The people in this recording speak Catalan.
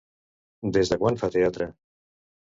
Des de quan fa teatre?